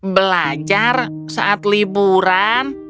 belajar saat liburan